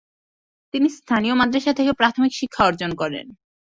তিনি স্থানীয় মাদ্রাসা থেকে প্রাথমিক শিক্ষা অর্জন করেন।